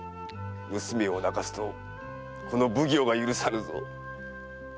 娘を泣かすとこの奉行が許さぬぞ。